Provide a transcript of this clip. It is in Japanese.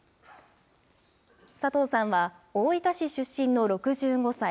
佐藤さんは、大分市出身の６５歳。